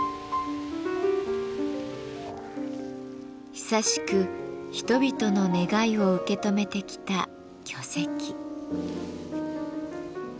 久しく人々の願いを受け止めてきた巨石。